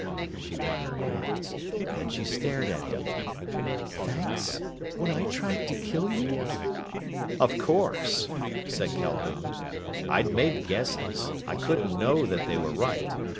She wrung her hands. Then she stared at him. "Thanks? When I tried to kill you?" "Of course!" said Calhoun. "I'd made guesses. I couldn't know that they were right.